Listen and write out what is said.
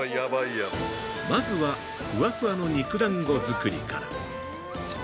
まずはふわふわの肉団子作りから。